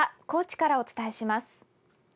高知からお伝えします。